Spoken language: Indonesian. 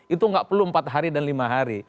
itu nggak perlu empat hari dan lima hari